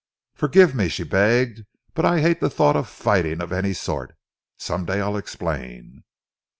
"Forgive me," she begged, "but I hate the thought of fighting of any sort. Some day I'll explain."